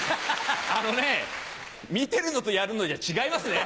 あのね見てるのとやるのじゃ違いますね。